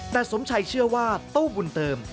แต่สมชัยเชื่อว่าตู้บุญเติม